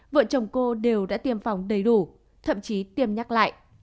vợ chồng cô đều đã tiêm phòng đầy đủ thậm chí tiêm nhắc lại